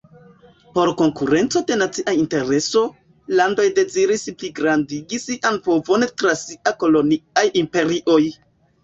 Por konkurenco de nacia intereso, landoj deziris pligrandigi sian povon tra siaj koloniaj imperioj.